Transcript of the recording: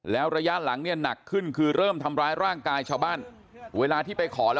แล้วระยะหลังเนี้ยหนักขึ้นคือเริ่มทำร้ายร่างกายนะฮะ